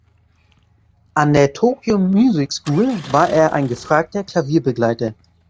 An der Tokyo Music School war er ein gefragter Klavierbegleiter.